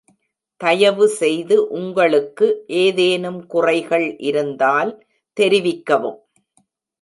தயவுசெய்து உங்களுக்கு ஏதேனும் குறைகள் இருந்தால் தெரிவிக்கவும்.